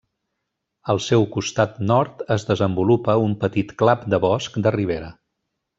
Al seu costat nord es desenvolupa un petit clap de bosc de ribera.